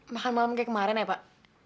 makan malam kayak kemarin ya pak